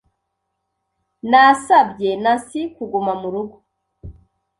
Nasabye Nancy kuguma murugo.